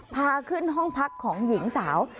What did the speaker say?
พาขึ้นห้องพักของหญิงสาว